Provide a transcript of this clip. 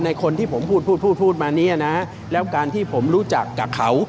คนที่ผมพูดพูดพูดมาเนี่ยนะแล้วการที่ผมรู้จักกับเขา